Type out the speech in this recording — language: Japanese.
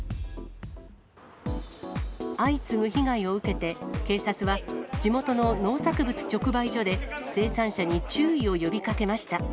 相次ぐ被害を受けて、警察は、地元の農作物直売所で生産者に注意を呼びかけました。